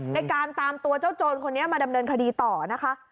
ในการตามตัวเจ้าโจรคนนี้มาดำเนินคดีต่อนะคะ